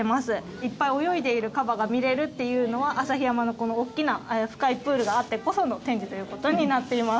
いっぱい泳いでいるカバが見れるっていうのは旭山のこのおっきな深いプールがあってこその展示ということになっています。